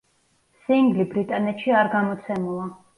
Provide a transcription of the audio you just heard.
სინგლი ბრიტანეთში არ გამოცემულა.